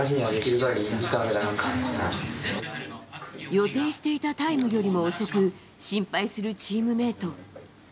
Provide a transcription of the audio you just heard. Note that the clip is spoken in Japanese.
予定していたタイムよりも遅く心配するチームメート。